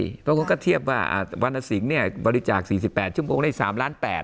เพราะเขาก็เทียบว่าวันศรีเนี่ยบริจาค๔๘ชั่วโมงได้๓ล้าน๘